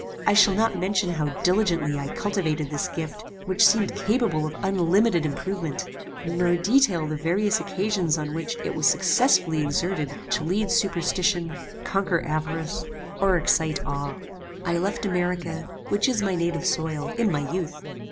I shall not mention how diligently I cultivated this gift, which seemed capable of unlimited improvement; nor detail the various occasions on which it was successfully exerted to lead superstition, conquer avarice, or excite awe. "I left America, which is my native soil, in my youth.